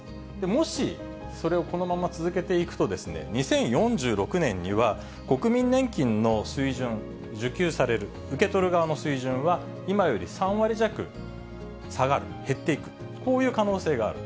もし、それをこのまま続けていくと、２０４６年には、国民年金の水準、受給される、受け取る側の水準は、今より３割弱下がる、減っていく、こういう可能性がある。